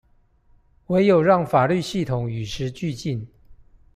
唯有讓法律系統與時俱進